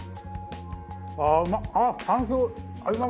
ああうまっ！